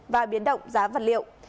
và biến động giá vật liệu